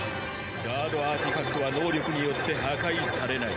ガードアーティファクトは能力によって破壊されない。